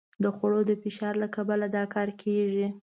د خوړو د فشار له کبله دا کار کېږي.